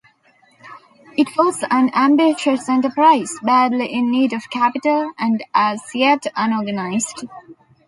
It was an ambitious enterprise, badly in need of capital, and as yet unorganized.